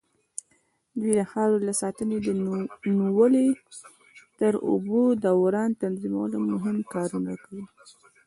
دوی د خاورې له ساتنې نيولې تر د اوبو دوران تنظيمولو مهم کارونه کوي.